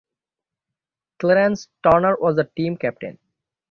Clarence Turner was the team captain.